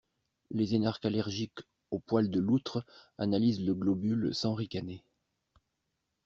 Les énarques allergiques aux poils de loutre analysent le globule sans ricaner.